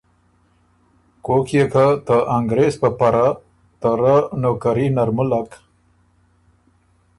کوک يې که ته انګرېز په پره ته رۀ نوکري نر مُلّک،